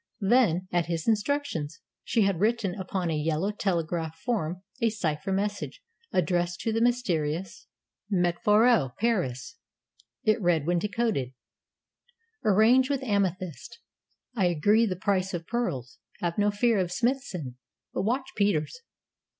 Then, at his instructions, she had written upon a yellow telegraph form a cipher message addressed to the mysterious "Meteforos, Paris." It read, when decoded: "Arrange with amethyst. I agree the price of pearls. Have no fear of Smithson, but watch Peters.